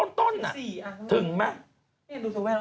๔อันนั้นถึงมั้ย